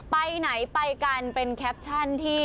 ไปไหนไปกันเป็นแคปชั่นที่บรรยายคลิปนี้